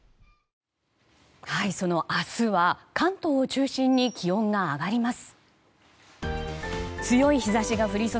その明日は関東を中心に気温が上がります。